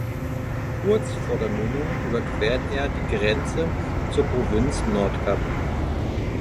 Kurz vor der Mündung überquert er die Grenze zur Provinz Nordkap.